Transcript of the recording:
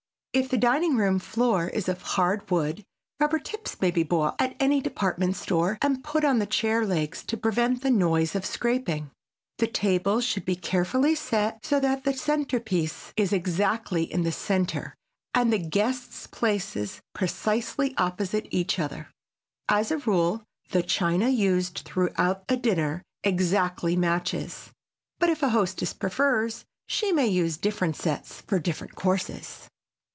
If the dining room floor is of hard wood rubber tips may be bought at any department store and put on the chair legs to prevent the noise of scraping. The table should be carefully set so that the centerpiece is exactly in the center and the guests' places precisely opposite each other. As a rule the china used throughout a dinner exactly matches, but if a hostess prefers she may use different sets for different courses.